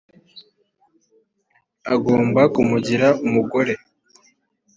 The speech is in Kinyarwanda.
agomba kumugira umugore,